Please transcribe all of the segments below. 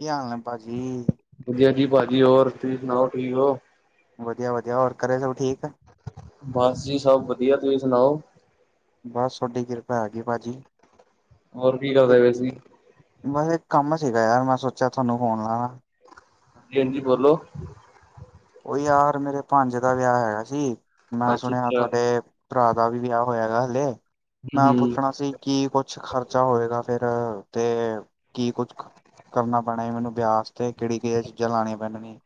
ਕੀ ਹਾਲ ਨੇ ਭਾਜੀ? ਵਧੀਆ ਜੀ ਭਾਜੀ, ਹੋਰ ਤੁਸੀਂ ਸੁਣਾਓ ਠੀਕ ਹੋ? ਵਦੀਆ- ਵਦੀਆ ਹੋਰ, ਘਰੇ ਸਬ ਠੀਕ? ਬਾੱਸ ਜੀ, ਸਬ ਵਦੀਆ, ਤੁਸੀ ਸੁਨਾਓ? ਬਾੱਸ ਤੋਆਡੀ ਕਿਰਪਾ ਹੈਗੀ ਪਾਜੀ। ਹੋਰ, ਕੀ ਕਰਦੇ ਵੇ ਸੀ? ਬਾੱਸ ਇੱਕ ਕਾੰਮ ਸੀਗਾ ਯਾਰ, ਮੈਂ ਸੋਚਯਾ ਥੋਨੂੰ ਫੋਨ ਲਾਵਾ। ਜੀ ਹਾਂਜੀ, ਬੋਲੋ। ਓ ਯਾਰ ਮੇਰੇ ਪਾੰਜੇ ਦਾ ਵੇਯਾ ਹੈਗਾ ਸੀ, ਅੱਛਾ ਮੈਂ ਸੁਣਯਾ ਅੱਛਾ ਥੋਡੇ ਪੱਰਾ ਦਾ ਵੀ ਵੇਯਾ ਹੋਯੈ ਹੈਗਾ ਹੱਲੇ, ਮੈਂ ਹੂੰ ਪੁੱਛਨਾ ਸੀ ਕੀ ਕੁੱਛ ਖ਼ਰਚਾ ਹੋਏਗਾ ਫੇਰ, ਤੇ ਕੀ ਕੁਛ ਕਰਨਾ ਪੈਣਾ ਐ ਮੈਨੂੰ ਵੇਯਾ ਆਸਤੇ ਕੇੜੀ-ਕੇੜੀ ਚੀਜ਼ਾਂ ਲਾਣੀਆਂ ਪੈਣੀਆਂ ਨੇ।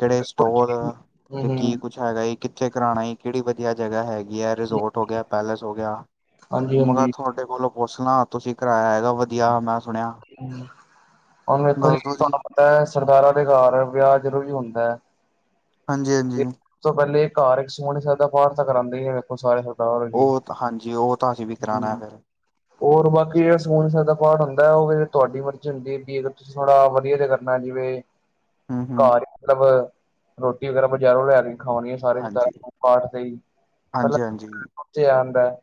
ਕੇੜੇ ਸਟੋਲ, ਹੂੰ ਤੇ ਕੀ ਹੂੰ ਕੁਝ ਹੈਗੈ ਈ ਕਿੱਥੇ ਕਰਾਣਾ ਈ, ਕੇੜੀ ਵਦੀਆ ਜਗਾ ਹੈਗੀ ਐ, ਰਿਜੋਰਟ ਹੋ ਗਯਾ, ਪੈਲੇਸ ਹੋ ਗਯਾ। ਹਾਂਜੀ ਮੈ ਕਾ ਹਾਂਜੀ ਥੋਡੇ ਕੋਲੋਂ ਪੁੱਛ ਲਾ, ਤੁਸੀ ਕਰਾਯਾ ਹੈਗਾ ਵਧੀਆ, ਮੈਂ ਸੁਣਿਆ ਹੁਨ ਵੇਖੋ ਦੱਸ ਜੀ ਦੋ ਤਵਾਨੂੰ ਪਤਾ ਐ ਸਰਦਾਰਾਂ ਦੇ ਘਰ ਵੇਯਾ ਜਦੋ ਵੀ ਹੁੰਦਾ ਐ। ਹਾਂਜੀ-ਹਾਂਜੀ। ਸਬ ਤੋਂ ਪੈਲੇ ਘਾਰ ਇੱਕ ਸੂਖਮਨੀ ਸੈਬ ਦਾ ਪਾਠ ਤਾ ਕਰਾਂਦੇ ਈ ਨੇ ਵੇਖੋ ਸਾਰੇ ਫੇਰ। ਓ ਤਾ ਹਾਂਜੀ, ਓ ਤਾ ਅਸੀ ਵੀ ਕਰਾਨਾ ਏ ਫੇਰ ਔਰ ਬਾਕੀ ਜੇੜਾ ਸੂਖਮਨੀ ਸੈਬ ਦਾ ਪਾਠ ਹੁੰਦਾ ਐ ਓ ਫੇਰ ਤੁਆਡੀ ਮਰਜ਼ੀ ਹੁੰਦੀ ਏ ਕਿ ਅਗਰ, ਥੋੜਾ ਵਦੀਆ ਜਿਹਾ ਕਰਨਾ ਐ, ਜਿਵੇਂ ਹਮ ਹਮ ਘਾਰ ਮਤਲਬ, ਰੋਟੀ ਵਗੈਰਾ ਬਜ਼ਾਰੋਂ ਲੈ ਕੇ ਖਾਵਾਂਣੀ ਐ। ਸਾਰੇ ਹਾਂਜੀ ਰਿਸ਼ਤੇਦਾਰਾਂ ਨੂੰ ਪਾਠ ਲਈ ਹਾਂਜੀ ਹਾਂਜੀ ਹਾਂਜੀ [unintelligible] ਦੇ ਆਂਦਾ ਐ।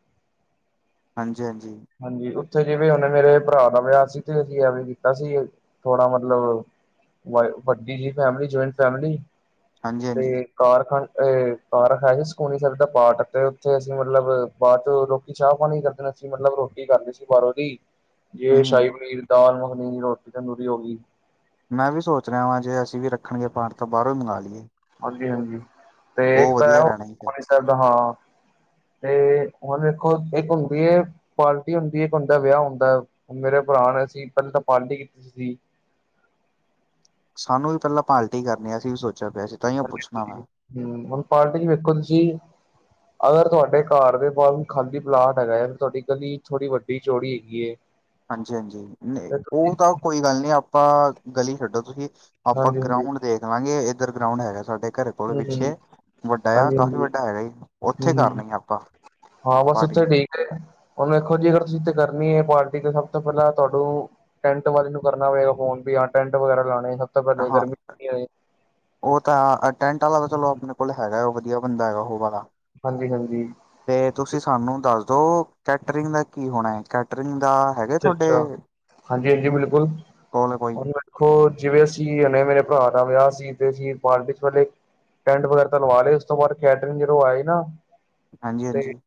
ਹਾਂਜੀ-ਹਾਂਜੀ। ਹਾਂਜੀ, ਉੱਥੇ ਜਿਵੇਂ ਹੁਨੇ ਮੇਰੇ ਪਰਾ ਦਾ ਵਯਾ ਸੀ, ਤੇ ਅਸੀ ਵੀ ਐਵੇਂ ਕੀਤਾ ਸੀ, ਥੋੜਾ ਮਤਲਬ ਵਾਏ ਵੱਡੀ ਜੀ ਫੈਮਿਲੀ, ਜੋਇੰਟ ਫੈਮਲੀ, ਹਾਂਜੀ ਹਾਂਜੀ ਤੇ ਕਾਰ- ਕਾਰ ਏ ਕਾਰ ਹੈ ਨੀ ਸੁਖਮਨੀ ਸੈਬ ਦਾ ਪਾਠ ਤੇ ਉੱਥੇ ਅਸੀ ਮਤਲਬ ਬਾਦ ਚੋ ਲੋਕ ਲੋਕੀ ਚਾ ਪਾਨੀ ਕਰਦੇ ਨੇ, ਅਸੀ ਮਤਲਬ ਰੋ ਰੋਟੀ ਕਾਰਨੀ ਸੀ ਬਾਰੋਂ ਦੀ ਜੇ ਹਮ ਸ਼ਾਈ ਹਮ ਪਨੀਰ‌, ਦਾਲ ਮੱਖਨੀ ਰੋਟੀ ਤੰਦੂਰੀ ਹੋ ਗੀ। ਮੈਂ ਵੀ ਸੋਚ ਰੇਆਂ ਵਾਂ ਜੇ ਅਸੀ ਵੀ ਰੱਖਨਗੇ ਪਾਠ ਤੋ ਬਾਰੋ ਈ ਮੰਗਾ ਲੀਏ। ਹਾਂਜੀ-ਹਾਂਜੀ ਤੇ ਇੱਕ ਤਾਂ ਐ ਓ ਰਹਿਣਾ ਹੀ ਫਿਰ ਸੁਖਮਨੀ ਸੈਬ ਦਾ, ਹਾਂ ਤੇ ਹੁਨ ਵੇਖੋ ਇੱਕ ਹੁੰਦੀ ਏ ਪਾਰਟੀ ਹੁੰਦੀ ਏ, ਇੱਕ ਹੁੰਦੈ ਵਯਾ ਹੁੰਦਾ ਐ। ਹੁਨ ਮੇਰੇ ਪਰਾ ਨੇ‌ ਅਸੀ ਪੈਲੇ ਤਾ ਪਾਰਟੀ ਕੀਤੀ ਸੀ। ਸਾਨੂੰ ਵੀ ਪੈਲਾਂ ਪਾਲਟੀ ਕਰਨੀ, ਅਸੀ ਵੀ ਸੋਚਯਾ ਪਯਾ ਸੀ, ਤਾਂਈਓ ਪੁੱਛਨਾ ਵਾਂ। ਹੂੰ, ਹੁਨ ਪਾਰਟੀ ਚ ਵੇਖੋ ਤੁਸੀ ਅਗਰ ਤੁਆਡੇ ਘਾਰ ਦੇ ਬਾਰ ਕੋਈ ਖਾਲੀ ਪਲਾਟ ਹੈਗਾ ਐ, ਤੁਆਡੀ ਗਲੀ ਥੋੜੀ ਵੱਡੀ, ਚੌੜੀ ਹੈਗੀ ਏ ਹਾਂਜੀ-ਹਾਂਜੀ ਨ ਓ ਤਾ ਕੋਈ ਗਾੱਲ ਨੀ ਆਪਾ ਗਲੀ ਛੱਡੋ ਤੁਸੀ ਆਪਾ ਹਾਂਜੀ ਹਾਂਜੀ ਗਰਾਉਂਡ ਦੇਖਲਾਂਗੇ, ਏਧਰ ਗਰਾਉਂਡ ਹੈਗਾ ਸਾਡੇ ਕੱਰੇ ਥੋੜਾ ਹਮ ਪਿੱਛੇ ਹਮ ਵੱਡਾ ਜਾ ਹਾਂਜੀ ਕਾਫ਼ੀ ਹਾਂਜੀ ਵੱਡਾ ਹੈਗਾ ਜੀ ਓਥੇ ਹਮ ਹਮ ਕਰਨੀ ਆਪਾ। ਹਾਂ, ਬਾੱਸ ਉਥੇ ਠੀਕ ਹੁਨ ਵੇਖੋ ਜੀ, ਅਗਰ ਤੁਸੀ ਤੇ ਕਰਨੀ ਏ ਪਾਰਟੀ ਤੇ ਸਭ ਤੋ ਪੈਲਾਂ ਤੁਆਡੂ ਟੈਂਟ ਵਾਲੇ ਨੂੰ ਕਰਨਾ ਪਏਗਾ ਫੋਨ ਵੀ ਆ ਟੈਂਟ ਵਗੈਰਾ ਲਾਣੇ ਤੋਂ ਪਹਿਲੇ ਹਾਂ, ਗਰਮੀ ਓ ਤਾ ਟੈਂਟ ਆਲਾ ਤਾ ਚਲੋ ਹਾਂਜੀ ਆਪਣੇ ਕੋਲ ਹੈਗੈ ਵਧੀਆ ਬੰਦਾ ਹੈਗੈ ਓ ਵਾਲਾ ਹਾਂਜੀ-ਹਾਂਜੀ। ਤੇ ਤੁਸੀ ਸਾਨੂੰ ਦਸ ਦੋ, ਕੈਟਰਿੰਗ ਦਾ ਕੀ ਹੋਣੈ ਕੈ ਕੈਟਰਿੰਗ ਦਾ, ਹੈਗੇ ਥੋਆਡੇ, ਅੱਛਾ ਕੋਲ ਕੋਈ ਦੇਖੋ, ਜਿਵੇਂ ਅਸੀਂ ਮੇਰੇ ਪੱਰਾ ਦਾ ਵਯਾ ਸੀ, ਤੇ ਅਸੀ ਪਾਰਟੀ ਪੈਲੇ ਟੈਂਟ ਵਗੈਰਾ, ਤਾ ਲਵਾ ਲੇ, ਉਸ ਤੋ ਬਾਦ ਕੈਟਰਿੰਗ ਜਦੋ ਆਈ ਨਾ ਹਾਂਜੀ ਤੇ -ਹਾਂਜੀ।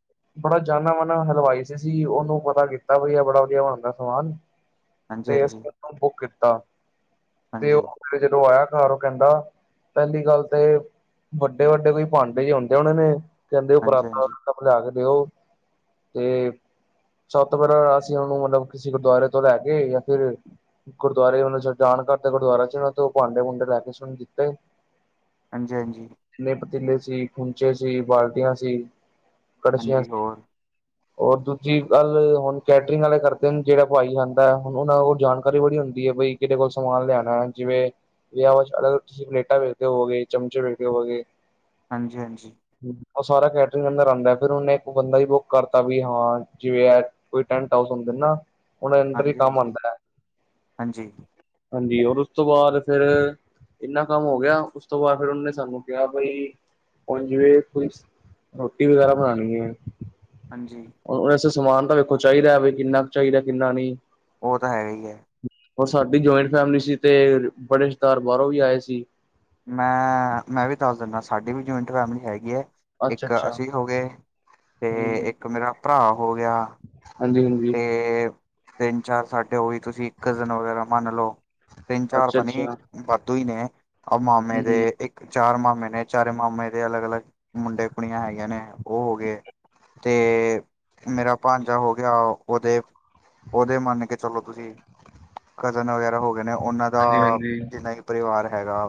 ਬੜਾ ਜਾਨਾ ਮਾਨਾ ਹਲਵਾਈ ਸੀ, ਓਨੂੰ ਪਤਾ ਕੀਤਾ ਕਿ ਵਈ ਐ ਬੜਾ ਵਦੀਆ ਬਨਾਂਦੈ ਸਮਾਨ ਤੇ ਹਾਂਜੀ-ਹਾਂਜੀ, ਅਸੀ, ਓਨੂੰ ਬੁੱਕ ਕੀਤਾ, ਤੇ ਓ, ਹਾਂਜੀ, ਹਾਂਜੀ-ਹਾਂਜੀ, ਫੇਰ ਜਦੋ ਆਯਾ ਘਰ ਓ ਕੈਂਦਾ ਪਹਿਲੀ ਗੱਲ ਤੇ, ਵੱਡੇ-ਵੱਡੇ ਕੋਈ ਭਾਂਡੇ ਹੀ ਹੁੰਦੇ ਹਣੇ ਨੇ। ਕਹਿੰਦੇ, ਉਹ ਪੁਰਾਤਾਂ ਹਾਂਜੀ-ਹਾਂਜੀ, ਸਭ ਲਿਆ ਕੇ ਦਿਓ। ਤੇ ਸਭ ਤੋ ਪਹਿਲਾਂ ਉਹਨੂੰ ਮਤਲਬ, ਕਿਸੇ ਗੁਰਦਆਰੇ ਤੋਂ ਲੈ ਕੇ, ਜਾਂ ਫੇਰ ਗੁਰਦੁਆਰੇ ਮਤਲਬ, ਜਾਣ ਕਰਦੇ ਗੁਰਦੁਆਰਾ ਚ ਨਾ ਦਿਓ। ਤੇ ਭਾਂਡੇ ਭੂੰਡੇ ਲੈ ਕੇ ਸੁਣ ਦਿੱਤੇ ਹਾਂਜੀ-ਹਾਂਜੀ। ਨੇ ਪਤੀਲੇ ਸੀ, ਖੂੰਚੇ ਸੀ, ਬਾਲਟੀਆਂ ਸੀ, ਕੱਢਚੀਆਂ ਹਾਂਜੀ ਸੀ। ਹੋਰ ਹੋਰ, ਦੂਜੀ ਗੱਲ ਹੁਣ। ਕੈਟਰਿੰਗ ਵਾਲੇ, ਕਰਦੇ ਜਿਹੜਾ ਪਾਈ ਜਾਂਦਾ ਹੈ, ਹੁਣ ਉਹ ਕੋਲ ਜਾਣਕਾਰੀ ਬੜੀ ਹੁੰਦੀ ਹੈ, ਬਈ ਕਿਹੇ ਕੋਲ ਸਮਾਨ ਲਿਆਉਣਾ ਜਿਵੇਂ ਵੀ ਅਲਗ, ਤੁਸੀਂ ਪਲੇਟਾਂ ਵੇਚਦੇ, ਹੋਗੇ, ਚਮਚੇ ਵੇਚਦੇ ਹੋਗੇ। ਹਾਂਜੀ-ਹਾਂਜੀ। ਉਹ ਸਾਰਾ, ਕੈਟਰਿੰਗ ਅੰਦਰ ਆਉਂਦਾ, ਫੇਰ ਉਹਨੇ ਇੱਕ ਬੰਦਾ ਹੀ ਬੁੱਕ ਕਰਤਾ ਵੀ ਹਾਂ, ਜਿਵੇਂ ਹੈ। ਕੋਈ ਟੈਂਟ ਹਾਊਸ ਹੁੰਦੇ ਨਾ, ਉਹਨਾਂ ਦੇ, ਅੰਦਰ ਹੀ ਕੰਮ ਹਾਂਜੀ-ਹਾਂਜੀ, ਹਾਂਜੀ, ਆਉਂਦਾ ਹੈ। ਹਾਂਜੀ ਹਾਂਜੀ ਹਾਂਜੀ, ਔਰ ਉਸ ਤੋਂ ਬਾਅਦ ਫੇਰ ਇੰਨਾ ਕੰਮ ਹੋ ਗਿਆ, ਉਸ ਤੋਂ ਬਾਅਦ, ਫਿਰ ਉਹਨਾਂ ਸਾਨੂੰ ਕਿਹਾ, ਬਈ ਪੰਜਵੇਂ ਕੁਈ ਰੋਟੀ ਵਗੈਰਾ ਬਣਾਉਣੀ ਏ। ਹਾਂਜੀ। ਵੈਸੇ ਸਮਾਨ ਤਾਂ ਵੇਖੋ ਚਾਹੀਦਾ, ਬ ਕਿੰਨਾ ਕੁ ਚਾਹੀਦਾ ਕਿੰਨਾ ਨਹੀਂ। ਉਹ, ਤਾਂ ਹੈ ਹੀ ਹੈ। ਹੋਰ ਸਾਡੀ ਜੁਆਇੰਟ ਫੈਮਿਲੀ ਸੀ ਤੇ, ਬੜੇ ਰਿਸ਼ਤੇਦਾਰ ਬਾਹਰੋਂ ਵੀ ਆਏ ਸੀ। ਮੈਂ-ਮੈਂ ਵੀ, ਦੱਸ ਦਿੰਦਾ, ਸਾਡੀ ਵੀ ਜਆਇੰਟ ਫੈਮਿਲੀ ਹੈਗੀ ਏ। ਅੱਛਾ ਇੱਕ ਅੱਛਾ ਅਸੀਂ ਹੋ ਗਏ, ਤੇ ਇੱਕ ਮੇਰਾ ਭਰਾ ਹੋ ਗਿਆ। ਹਾਂਜੀ-ਹਾਂਜੀ। ਏ। ਤਿੰਨ ਚਾਰ ਸਾਡੇ ਹੋ ਵੀ ਤੁਸੀਂ, ਇੱਕ ਕਜ਼ਨ ਵਗੈਰਾ ਮੰਨ ਲਓ। ਤਿੰਨ ਚਾਰ ਅੱਛਾ ਤਾਂ ਨਹੀਂ ਅੱਛਾ ਵਾਧੂ ਹੀ ਨੇ, ਮਾਮੇ ਦੇ ਹਮ ਇੱਕ ਚਾਰ ਮਾਮੇ ਨੇ, ਚਾਰੇ ਮਾਮੇ ਦੇ ਅਲੱਗ-ਅਲੱਗ ਮੁੰਡੇ ਕੁੜੀਆਂ ਹੈਗੇ ਨੇ, ਉਹ ਹੋ ਗਏ ਤੇ, ਮੇਰਾ ਭਾਂਜਾ ਹੋ ਗਿਆ ਉਹਦੇ-ਉਹਦੇ, ਮੰਨ ਕੇ ਚਲੋ ਤੁਸੀਂ, ਕਜ਼ਨ ਵਗੈਰਾ ਹੋ ਉਹਨਾਂ ਦਾ, ਹਾਂਜੀ ਹਾਂਜੀ ਜਿੰਨਾ ਵੀ ਪਰਿਵਾਰ ਹੈਗਾ,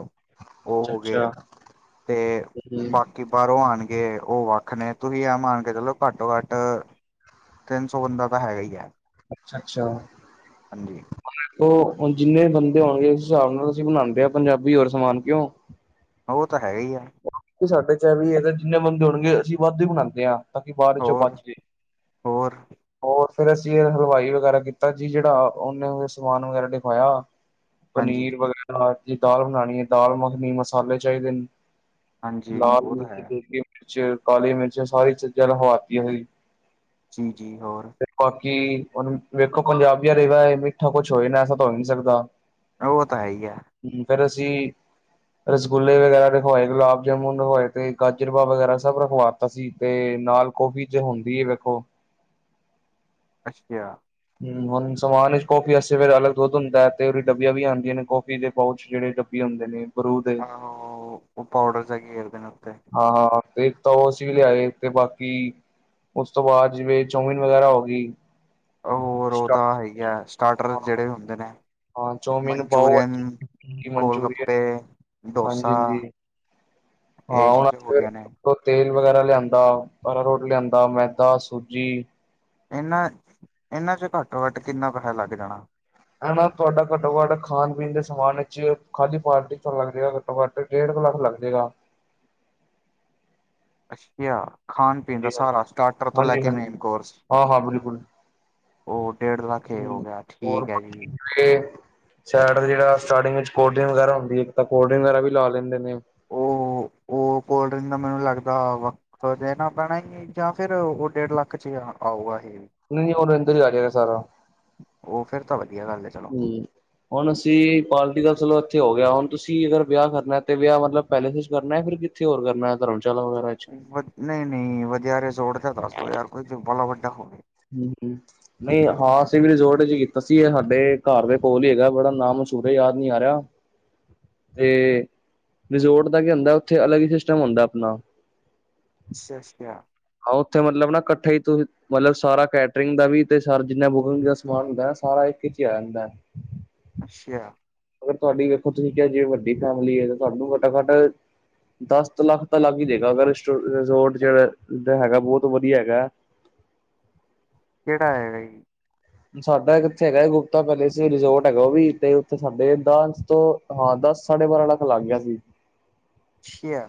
ਉਹ ਅੱਛਾ ਹੋ ਗਏ। ਅੱਛਾ ਤੇ, ਹਮ ਬਾਕੀ। ਕਿ ਬਾਹਰੋਂ ਆਉਣਗੇ, ਉਹ ਵੱਖ ਨੇ, ਤੁਸੀਂ ਮਨ ਕੇ ਚਲੋ ਘੱਟੋ ਘੱਟ ਤਿੰਨ ਸੌ, ਬੰਦਾ ਤਾਂ ਹੈਗਾ ਹੀ ਹੈ। ਅੱਛਾ-ਅੱਛਾ। ਹਾਂਜੀ। ਔ ਹੁਣ, ਜਿੰਨੇ ਬੰਦੇ ਹੋਣਗੇ, ਉਸ ਹਿਸਾਬ ਨਾਲ ਅਸੀਂ ਬਣਾਉਂਦੇ ਆ, ਪੰਜਾਬੀ ਹੋਰ ਸਮਾਨ ਕਿਉਂ ਉਹ, ਤਾਂ ਹੈਗਾ ਹੀ ਆ। ਸਾਡੇ ਚ, ਇਹ ਵੀ ਇਹ ਜਿੰਨੇ ਬੰਦੇ ਹੋਣਗੇ, ਅਸੀਂ ਵੱਧ ਹੀ ਬਣਾਉਂਦੇ ਹਾਂ, ਤਾਂ ਕਿ ਬਾਹਦ ਚੋਂ ਹੋਰ ਬਚ ਜਾਏ ਹੋਰ। ਹੋਰ ਫਿਰ ਅਸੀਂ ਇਹ ਹਲਵਾਈ ਵਗੈਰਾ ਕੀਤਾ ਸੀ ਜਿਹੜਾ ਉਹਨੇ ਸਮਾਨ ਵਗੈਰਾ ਦਿਖਵਾਇਆ। ਹਾਂਜੀ ਪਨੀਰ ਵਗੈਰਾ ਦਾਰ ਦੀ ਦਾਲ ਬਣਾਉਣੀ ਐ, ਦਾਲ ਮੱਖਣੀ ਮਸਾਲੇ ਚਾਹੀਦੇ ਨੇ। ਹਾਂਜੀ ਲਾਲ ਉਹ ਤਾਂ ਮਿਰਚ ਹੈ ਦੇਗੀ ਮਿਰਚ ਕਾਲੀ ਮਿਰਚ ਸਾਰੀ ਚੀਜ਼ਾਂ ਲਖਵਾਤੀਆਂ ਸੀ। ਜੀ-ਜੀ ਹੋਰ। ਤੇ ਬਾਕੀ ਹੁਣ ਵੇਖੋ ਪੰਜਾਬੀਆਂ ਦਾ ਮਿੱਠਾ ਕੁਛ ਹੋਏ ਨਾ ਐਸਾ ਤਾਂ ਹੋ ਈ ਨੀ ਸਕਦਾ। ਔ ਤਾਂ ਹੈ ਈ ਐ। [unintelligible] ਅਸੀਂ ਰਸਗੁੱਲਲੇੇ ਵਗੈਰਾ ਰਖਵਾਏ ਗੁਲਾਬ ਜਾਮੁਣ ਰਖਵਾਏ ਤੇ ਗਾਜਰ ਪਾਕ ਵਗੈਰਾ ਸਭ ਰਖਵਾ ਅਸੀ ਤੇ ਨਾਲ ਕੌਫੀ ਤੇ ਹੁੰਦੀ ਐ ਵੇਖੋ। ਅੱਛਿਆ। ਹੂੰ ਹੁਣ ਸਮਾਨ ਚ ਕੋਫੀ ਵਾਸਤੇ ਫੇਰ ਅਲਗ ਦੁੱਧ ਹੁੰਦਾ ਐ ਤੇ ਉਹਦੀ ਡਬੀਆਂ ਵੀ ਆਦੀਆਂ ਨੇ ਕੋਫੀ ਦੇ ਪਾਉਚ ਜਿਹੜੇ ਵੀ ਹੁੰਦੇ ਨੇ ਬਰੂ ਦੇ, ਆਹੋ ਉਹ ਪਾਊਡਰ ਜਾ ਘੇਰਦੇ ਨੇ ਉੱਤੇ ਹਾਂ ਤੇ ਤਾਂ ਉਹ ਅਸੀਂ ਵੀ ਲਿਆਏ ਤੇ ਬਾਕੀ, ਉਸ ਤੋਂ ਬਾਅਦ ਜਿਵੇਂ ਚੌਮੀਨ ਵਗੈਰਾ ਹੋ ਗੀ। ਹੋਰ ਉਹ ਤਾਂ ਹੈਗਾ ਸਟਾਰਟਰ ਜਿਹੜੇ ਹੁੰਦੇ ਨੇ ਹਾਂ ਚੌਮਿਨ ਪਾਓ ਮਨਚੁਰੀਅਨ, ਭਾਜੀ ਗੋਲ ਮਨਚੂਰੀਅਨ ਗੱਪੇ, ਹਾਂਜੀ ਡੋਸਾ ਹਾਂਜੀ ਇਹ ਹਾਂ ਹੁਣ ਚੀਜ਼ਾਂ ਹੋ ਗਈਆਂ ਨੇ ਤੇਲ ਵਗੈਰਾ ਲਿਆਂਦਾ ਅਰਾਰੋਟ ਲਿਆਂਦਾ ਮੈਦਾ ਸੂਜੀ ਇਹਨਾਂ ਇਹਨਾਂ ਚ ਘੱਟੋ-ਘੱਟ ਕਿੰਨਾ ਪੈਸਾ ਲੱਗ ਜਾਣਾ? ਹਨਾ ਤੁਹਾਡਾ ਘੱਟੋ-ਘੱਟ ਖਾਣ-ਪੀਣ ਦੇ ਸਮਾਨ ਵਿੱਚ ਖਾਲੀ ਪਾਰਟੀ ਲੱਗ ਜਾ ਘੱਟੋ-ਘੱਟ ਡੇਢ ਕੁ ਲੱਖ ਲੱਗ ਜੇ ਗਾ। ਅੱਛਿਆ, ਖਾਣ ਪੀਣ ਦਾ ਹਾਂਜੀ ਹਾਂਜੀ ਸਾਰਾ ਸਟਾਰਟਰ ਤੋਂ ਲੈ ਹਾਂਜੀ ਕੇ ਮੇਨ ਹਾਂਜੀ ਕੋਰਸ ਹਾਂ ਹਾਂ ਬਿਲਕੁਲ ਉਹ ਡੇਢ ਲੱਖ ਐ ਗਿਆ ਠੀਕ ਐ ਜੀ ਤੇ, ਸ਼ਾਇਡ ਜਿਹੜਾ ਸਟਾਰਟਿੰਗ ਵਿੱਚ ਕੋਲਡ ਡਰਿੰਕ ਵਗੈਰਾ ਹੁੰਦੀ ਐ ਤਾਂ ਕੋਲਡ ਡਰਿੰਕ ਵਗੈਰਾ ਵੀ ਲਾ ਲੈਂਦੇ ਨੇ ਉਹ ਉਹ ਕੋਲਡ ਡਰਿੰਕ ਦਾ ਮੈਨੂੰ ਲੱਗਦਾ ਵੱਖ ਦੇਣਾ ਪੈਣਾ ਈ ਐ। ਜਾਂ ਫਿਰ ਉਹ ਡੇਢ ਲੱਖ ਚ ਆਊਗਾ ਇਹੇ ਨਈ ਔਦੇ ਅੰਦਰ ਈ ਆਜੇਗਾ ਸਾਰਾ ਉਹ ਫਿਰ ਤਾਂ ਵਧੀਆ ਗੱਲ ਐ ਚਲੋ ਹਮ ਹੁਣ ਅਸੀਂ ਪਾਰਟੀ ਦਾ ਚਲੋ ਇੱਥੇ ਹੋ ਗਿਆ, ਹੁਣ ਤੁਸੀਂ ਅਗਰ ਵਿਆਹ ਕਰਨਾ ਤੇ ਵਿਆਹ ਮਤਲਬ ਪੈਲੇਸ ਚ ਕਰਨਾ ਫਿਰ ਕਿਥੇ ਹੋਰ ਕਰਨਾ ਧਰਮਸ਼ਾਲਾ ਵਗੈਰਾ ਚ ਨਈ ਨਈ ਵਧੀਆ ਰਿਜੋਰਟ ਹੈਗਾ ਯਾਰ ਕੋਈ ਬਾਲਾ ਵੱਡਾ ਹੋਵੇ ਹੂੰ-ਹੂੰ, ਨਈ ਹਾਂ ਅਸੀਂ ਵੀ ਰਿਜੋਰਟ ਚ ਕੀਤਾ ਸੀ ਇਹ ਸਾਡੇ ਘਰ ਦੇ ਕੋਲ ਈ ਹੈਗਾ ਬੜਾ ਨਾਮ ਮਸ਼ਹੂਰ ਯਾਦ ਨੀ ਆ ਰਿਹਾ [inaudible] ਤੇ ਰਿਜ਼ੋਰਟ ਦਾ ਕੀ ਹੁੰਦਾ ਉੱਥੇ ਅਲੱਗ ਈ ਸਿਸਟਮ ਹੁੰਦਾ ਆਪਣਾ ਅੱਸਿਆ, ਅੱਸਿਆ। ਆ ਉੱਥੇ ਮਤਲਬ ਨਾ ਕੱਠੇ ਈ ਤੁਸੀ ਮਤਲਬ ਸਾਰਾ ਕੈਟਰਿੰਗ ਦਾ ਵੀ ਤੇ ਸਾਰਾ ਜਿੰਨਾ ਬੁਕਿੰਗ ਦਾ ਸਮਾਨ ਹੁੰਦਾ ਨਾ ਸਾਰਾ ਇੱਕ ਚ ਈ ਆ ਜਾਂਦਾ ਅੱਛਿਆ। ਅਗਰ ਤੁਹਾਡੀ ਵੇਖੋ ਤੁਸੀਂ ਕਿਹਾ ਜੇ ਵੱਡੀ ਫੈਮਿਲੀ ਐ ਤਾਂ ਤੁਹਾਨੂੰ ਘੱਟੋ ਘੱਟ ਦਸ ਲੱਖ ਤਾਂ ਲੱਗ ਈ ਜਾਏਗਾ ਅਗਰ ਰਿਜੋਰਟ ਜਿਹੜਾ ਹੈਗਾ ਬਹੁਤ ਵਧੀਆ ਹੈਗਾ ਕਿਹੜਾ ਹੈਗਾ ਜੀ? ਸਾਡਾ ਕਿੱਥੇ ਹੈਗਾ ਗੁਪਤਾ ਪੈਲੇਸ ਰਿਜੋਰਟ ਹੈਗਾ ਉਹ ਵੀ ਤੇ ਉੱਥੇ ਸਾਡੇ ਇਦਾਂ ਤੋਂ ਹਾਂ ਦਸ ਸਾਢੇ ਬਾਰਾਂ ਲੱਖ ਲੱਗ ਗਿਆ ਸੀ। ਅੱਛਿਆ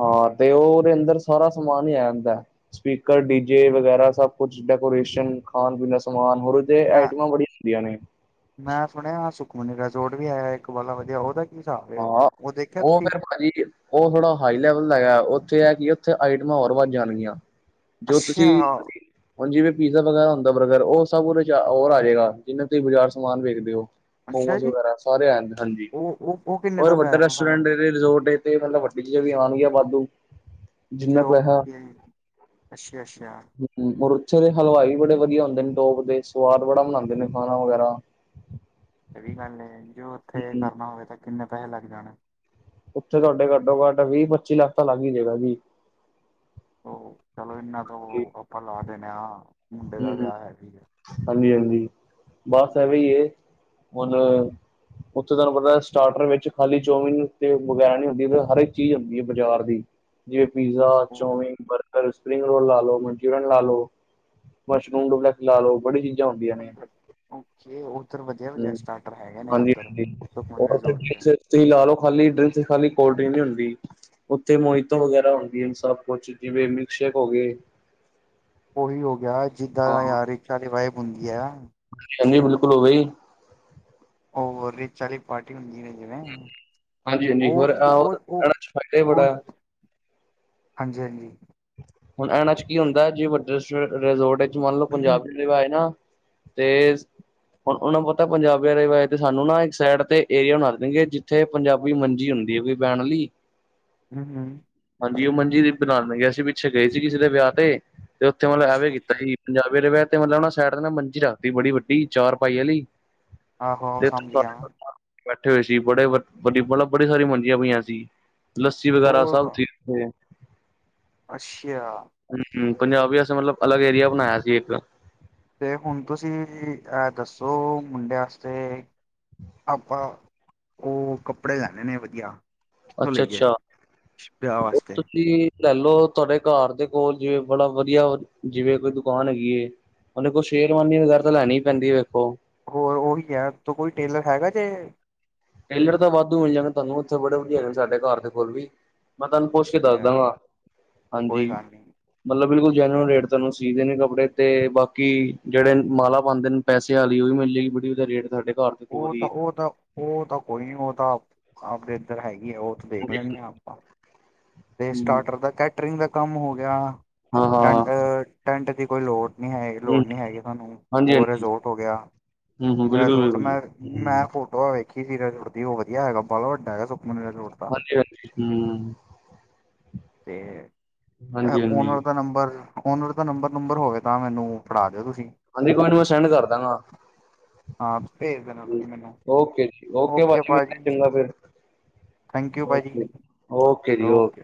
ਹਾਂ ਤੇ ਉਹ ਉਹਦੇ ਅੰਦਰ ਸਾਰਾ ਸਮਾਨ ਈ ਆ ਜਾਂਦਾ। ਸਪੀਕਰ ਡੀ ਜੇ ਵਗੈਰਾ, ਸਭ ਕੁਛ ਡੈਕੋਰੇਸ਼ਨ ਖਾਣ-ਪੀਣ ਦਾ ਸਮਾਨ ਹੋਰ ਤੇ ਮੈਂ ਆਈਟਮਾਂ ਬੜੀਆਂ ਹੁੰਦੀਆਂ ਨੇ ਮੈਂ ਸੁਣਿਆ ਸੁਖਮਨੀ ਰਿਜੋਰਟ ਵੀ ਹੈਇਆ ਇੱਕ ਵਾਲਾ ਵਧੀਆ ਉਹਦਾ ਹਿਸਾਬ ਹੈ ਉਹ ਹਾਂ ਦੇਖਿਆ ਉਹ ਤੁਸੀਂ ਫੇਿਰ ਭਾਜੀ ਉਹ ਥੋੜ੍ਹਾ ਹਾਈ ਲੈਵਲ ਦਾ ਹੈ। ਉੱਥੇ ਹੈ ਕਿ ਉੱਥੇ ਆਈਟਮਾਂ ਹੋਰ ਵੱਧ ਜਾਣਗੀਆਂ ਜੋ ਤੁਸੀਂ ਅੱਛਾ ਹੁਣ ਜਿਵੇਂ ਪੀਜ਼ਾ ਵਗੈਰਾ ਹੁੰਦਾ ਬਰਗਰ ਓਂ ਸ਼ ਹ ਸਭ ਉਹਦੇ ਹੋਰ ਆ ਜਾਵੇਗਾ ਜਿਹਵੇੇ ਤੁਸੀਂ ਬਾਜ਼ਾਰ ਸਮਾਨ ਵੇਖਦੇ ਹੋ ਮੋਮੋਸ ਵਗੈਰਾ ਸਾਰ ਸਾਰੇ ਆ ਜਾਂਦੇ ਨੇ ਹਾਂਜੀ ਓਹ, ਓਹ, ਓਹ ਔਰ ਵੱਡਾ ਰੈਸਟਰੈਂਟ ਰਿਜ਼ੋਰਟ ਤੇ ਮਤਲਬ ਵੱਡੀ ਚੀਜ਼ਾਂ ਵੀ ਆਉਣਗੀਆਂ ਵਾਧੂ ਜੇ ਜਿੰਨਾ ਉਹ ਪੈਸਾ ਅੱਛਾ, ਅੱਛਾ ਮੁਰਛੇ ਦੇ ਹਲਵਾਈ ਬੜੇ ਵਧੀਆ ਹੁੰਦੇ ਨੇ ਟੋਪ ਦੇ ਸਵਾਦ ਬੜਾ ਮਨਾਉਂਦੇ ਨੇ ਖਾਣਾ ਵਗੈਰਾ ਇਹ ਵੀ ਗੱਲ ਜੋ ਉੱਥੇ ਹੂੰ ਕਰਨਾ ਹੋਵੇ ਤਾਂ ਕਿੰਨੇ ਪੈਸੇ ਲੱਗ ਜਾਣੇ ਉੱਥੇ ਤੁਹਾਡੇ ਘੱਟੋ, ਘੱਟ ਵੀਹ- ਪੱਚੀ ਲੱਖ ਤਾਂ ਲੱਗ ਹੀਈ ਜਗਾ ਜੀ ਉਹ ਚਲੋ ਇਨਾ ਤਾਂ ਆਪਾਂ ਲਾ ਦੇਣ ਹਾਂ ਮੁੰਡੇ ਦਾ ਹੂੰ ਹੂੰ ਵਿਆਹ ਹੈ ਕ ਹਾਂਜੀ, ਹਾਂਜੀ ਬਸ ਐਵੇਂ ਹੀ ਹੈ ਹੁਣ ਓ ਥੇ ਤੁਹਾਨੂੰ ਪਤਾ ਸਟਾਰਟਰ ਵਿੱਚ ਖਾਲੀ ਚੌਮੀਿਨ ਤੇ ਵਗੈਰਾ ਨਹੀਂ ਹੁੰਦੀ ਹਰ ਇੱਕ ਚੀਜ਼ ਹੁੰਦੀ ਹੈ ਬਜ਼ਾਰ ਦੀ। ਜਿਵੇ pizza, chowmein, burger spring roll ਲਾ ਲੋ ਮਨਚ‌‌ੂਰੀਅਨ ਲਾ ਲੋ ਮਸ਼ਰੂਮ ਡੁਪਲੈਕਸ ਲਾ ਲੋ ਬੜੀ ਚੀਜ਼ ਓ ਉਧਰ ਵਧੀਆ-ਵਧੀਆ ਹਮ ਸਟਾਰਟਰ ਹੈਗੇ ਨੇ, ਹਾਂਜੀ ਉੱਧਰ ਹਾਂਜੀ ਸੁਖਮਣੀ ਔਰ ਰਿਜੋਰਟ'ਚ। ਡਰਿੰਕਸ ਤੁਸੀਂ ਲਾ ਲਓ ਖਾਲੀ ਡਰਿੰਕ ਖਾਲੀ ਕੋਲਡਰਿੰਕ ਨਹੀਂ ਹੁੰਦੀ। ਓਂ ਥੇ ਮੋਹਿਤ ਵਗੈਰਾ ਹਣਦੀਆਂ ਸਭ ਕੁਛ ਜਿਵੇਂ ਮਿਲਕਸ਼ੇਕ ਹੋ ਗਏ। ਉਹੀ ਹੋ ਗਿਆ ਜਿੱਦਾਂ ਹਾਂ ਯ [inaudible] ਦੀ ਵਹਿਬ ਹੁੰਦੀ ਏ। ਹਾਂਜੀ ਬਿਲਕੁਲ ਹੋਗੀ। ਓਹ ਰਿਚ ਵਾਲੀ ਪਾਰਟੀ ਹੁੰਦੀ ਏ। ਹਾਂਜੀ-ਹਾਂਜੀ ਔਰ ਉਹ ਉਹ ਇਹਨਾ'ਚ ਫਾਇਦਾ ਹੀ ਬੜਾ ਐ। ਹਾਂਜੀ-ਹਾਂਜੀ। ਹੁਣ ਇਹਨਾਂ ਚ ਕੀ ਹੁੰਦਾ ਜੇ ਵੱਡੇ ਰਿਜੋਰਟ ਵਿੱਚ ਮੰਨ ਲਓ ਹਮ ਪੰਜਾਬੀ। ਰਵਾਏ ਨਾ ਤੇਜ। ਹੁਣ ਉਹਨਾਂ ਨੂੰ ਪਤਾ ਪੰਜਾਬੀਆਂ ਦੇ ਵਏ ਤੇ ਸਾਨੂੰ ਨਾ ਇੱਕ ਸਾਈਡ ਤੇ ਏਰੀਆ ਬਣਾ ਦੇਣਗੇ ਜਿੱਥੇ। ਪੰਜਾਬੀ ਮੰਜੀ ਹੁੰਦੀ ਹੈ ਕੋਈ ਬੲਣ ਲਈ। ਹਮ-ਹਮ। ਹਾਂਜੀ ਓ ਹ ਮੰਜੀ ਦੀ ਬ ਨਾਲਾਨ ਨੇ ਗਿਆ ਸੀ ਪਿੱਛੇ ਗਏ ਸੀ ਕਿਸੇ ਦੇ ਵਿਆਹ ਤੇ ਉੱਥੇ ਮਤਲਬ ਐਵੇ ਅੱਛਾ ਕੀਤਾ ਅੱਛਾ ਸੀ ਪੰਜਾਬੀ ਦੇਆ ਤੇ ਮਤਲਬ ਉਹ ਸਾਈਡ ਦੇ ਨਾ ਮੰਜੀ ਰੱਖਦੀ ਬੜੀ ਵੱਡੀ ਚਾਰ ਪਾਈ ਵਾਲੀ। ਆਹੋ ਆਹੋ ਤੇ, ਸਮਝ ਗਿਆ ਮੈਂ ਬੈਠੇ ਹੋਏ ਸੀ, ਬੜੇ ਵੱਬ ਬੜੀ ਸਾਰੀ ਮੰਜੀਆਂ ਪਈਆਂ ਸੀ। ਲੱਸੀ ਵਗੈਰਾ ਸਭ ਉਹ ਠੀਕ। ਅੱਛਾ। ਹਮ-ਹਮ, ਪੰਜਾਬ ਵੀ ਅਸੀਂ ਮਤਲਬ ਅਲਗ ਏਰੀਆ ਬਣਾਇਆ ਸੀ ਏਕ। ਤੇ ਹੁਣ ਤੁਸੀਂ ਐ ਦੱਸੋ ਮੁੰਡੇ ਵਾਸਤੇ। ਆਪਾ, ਓ ਕੱਪੜੇ ਲੈਣੇ ਨੇ ਵਧੀਆ। ਕਿੱਥੋਂ ਅੱਛਾ ਲਈਏ, ਅੱਛਾ ਵਿਆ ਵਾਸਤੇ। ਲੈਲੋ ਤੁਆਡੇ ਕਾਰ ਦੇ ਕੋਲ ਜਿਵੇਂ ਬੜਾ ਵਧੀਆ, ਜਿਵੇਂ ਕੋਈ ਦੁਕਾਨ ਹੈਗੀ ਐ। ਉਹਨਾ ਕੋਲ ਸ਼ੇਰਵਾਨੀ ਵਗੈਰਾ ਤਾਂ ਲੈਣੀਈ ਪੈਂਦੀ ਐ ਵੇਖੋ। ਹੋਰ ਓਹੀ ਐ ਤ ਕੋਈ ਟੇਲਰ ਹੈਗਾ ਜੇ ਟੇਲਰ ਤਾਂ ਵਾਧੂ ਮਿਲ ਜਾਣੇ ਓਥੇ ਬੜੇ ਵਧੀਆ ਹੈਗੇ ਸਾਡੇ ਕਾਰ ਦੇ ਕੋਲ ਵੀ। ਮੈਂ ਤਾਨੂੰ ਪੁੱਛ ਕੇ ਦੱਸ ਅੱਛਾ ਦਾਂਗਾ, ਕੋਈ ਹਾਂਜੀ। ਗੱਲ ਨਹੀਂ ਮਤਲਬ ਬਿਲਕੁਲ ਜੈਨੂਨ ਰੇਟ ਤੈਨੂੰ ਸੀਦੇ ਨੇ ਕੱਪੜੇ ਤੇ ਬਾਕੀ, ਜਿਹੜੇ ਮਾਲਾ ਪਾਂਦੇ ਨਨ - ਪੈਸ ਆਲੀ ਉਹ ਵੀ ਮਿਲੇ ਗੀ ਬੱਟ ਉਦਾ ਰੇਟ ਘੱਟ ਕਰ। ਉਹ ਤਾਂ, ਉਹ ਤਾਂ, ਉਹ ਤਾਂ, ਕੋਈ ਨਹੀਂ ਉਹ ਤਾਂ ਆਪਦੇ ਇੱਧਰ ਹੈਗੀ ਆ ਉਹ ਤਾਂ ਦੇਖ ਲੈਂਦੇ ਆ। ਤੇ ਸਟਾਰਟਰ ਦਾ ਕੈਟਰਿੰਗ ਦਾ ਕੰਮ ਹੋ ਗਿਆ, ਹਾਂ ਹਾਂ ਟੈਂਟ-ਟੈਂਟ ਦੀ ਕੋਈ ਲੋੜ ਨਹੀਂ ਹੈਗੇ ਹਮ ਲੋੜ ਨੀ ਹੈਗੀ ਹੁਣ, ਹਾਂਜੀ ਉਹ ਹਾਂਜੀ ਰਿਜੋਰਟ ਹੋ ਗਿਆ। ਹਮ ਹਮ ਬਿਲਕੁਲ ਰਜੋਰਟ ਬਿਲਕੁਲ ਮੈਂ, ਹਮ ਮੈਂ ਫੋਟੋ ਵੇਖੀ ਸੀ, ਰਜੋਰਟ ਦੀ ਉਹ ਵਧੀਆ ਹੈਗਾ ਬਾਲਾ ਵੱਡਾ ਹੈਗਾ ਸ ਹਾਂਜੀ-ਹਾਂਜੀ, ਹੂੰ ਤੇ, ਐ ਹਾਂਜੀ ਹਾਂਜੀ ਓਨਰ ਦਾ ਨੰਬਰ ਜੀ। ਓਨਰ ਦਾ ਨੰਬਰ-ਨੰਬਰ ਹੋਵੇ ਤਾਂ ਮੈਨੂੰ ਫੜਾ ਦਿਓ ਤੁਸੀਂ। ਹਾਂਜੀ ਕੋਈ ਨੀ, ਮੈਂ ਸੈਂਡ ਕਰ ਦਾਂਗਾ। ਹਾਂ, ਭੇਜ ਦੇਣਾ ਜੀ ਤੁਸੀਂ ਮੈਨੂੰ। ਓਕੇ ਜੀ। ਓਕੇ ਭਾਜੀ, ਮਿਲਦੇ ਚੰਗਾ ਫਿਰ, ਥੈਂਕ ਯੂ ਓਕੇ ਭਾਜੀ ਓਕੇ ਜੀ ਓਕੇ।